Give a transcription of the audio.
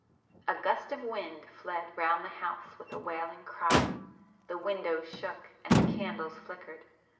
A gust of wind fled round the house with a wailing cry,—the windows shook, and the candles flickered.